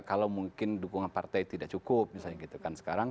kalau mungkin dukungan partai tidak cukup misalnya gitu kan sekarang